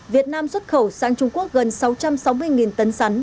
việt nam xuất khẩu sang trung quốc gần sáu trăm sáu mươi tấn sắn